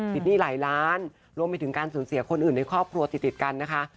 หนี้หลายล้านรวมไปถึงการสูญเสียคนอื่นในครอบครัวติดติดกันนะคะ